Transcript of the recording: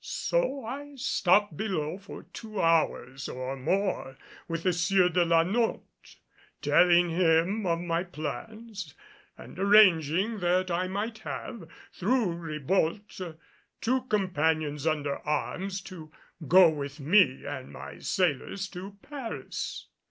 So I stopped below for two hours or more with the Sieur de la Notte, telling him of my plans and arranging that I might have, through Ribault, two companions under arms, to go with me and my sailors to Paris.